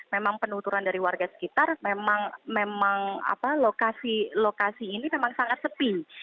memang penuturan dari warga sekitar memang lokasi lokasi ini memang sangat sepi